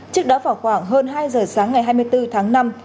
trước đó vào khoảng hơn hai giờ sáng ngày hai mươi bốn tháng năm